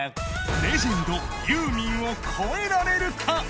レジェンドユーミンを超えられるか？